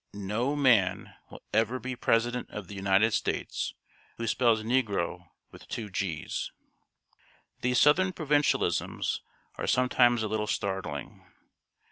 "No man will ever be President of the United States who spells negro with two g's!" These southern provincialisms are sometimes a little startling.